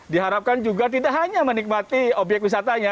diharapkan juga tidak hanya menikmati obyek wisatanya